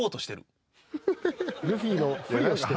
ルフィのふりをしてる。